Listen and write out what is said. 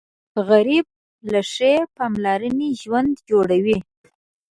غریب له ښې پاملرنې ژوند جوړوي